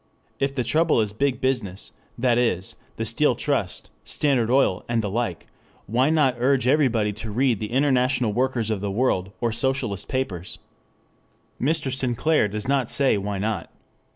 If the trouble is Big Business, that is, the Steel Trust, Standard Oil and the like, why not urge everybody to read I. W. W. or Socialist papers? Mr. Sinclair does not say why not.